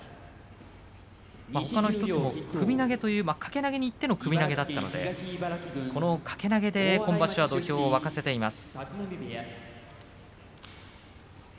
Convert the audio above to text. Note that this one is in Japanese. ほかの１つも掛け投げにいっての首投げだったので掛け投げで今場所は土俵を沸かせています。